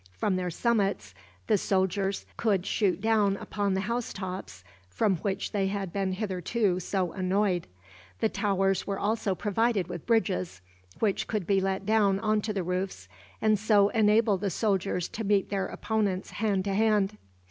From their summits the soldiers could shoot down upon the housetops, from which they had been hitherto so annoyed. The towers were also provided with bridges, which could be let down on to the roofs, and so enable the soldiers to meet their opponents hand to hand.